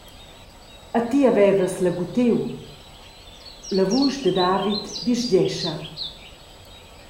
E ti havevas lagutiu …», la vusch da David disgescha.